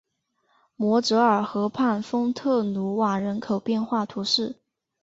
摩泽尔河畔丰特努瓦人口变化图示